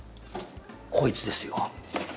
こいつですよ。